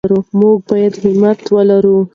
موږ باید همت ولرو.